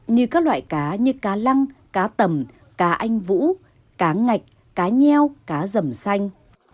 như các loại cá như cá lăng cá tầm cá anh vũ cá ngạch cá nheo cá dầm xanh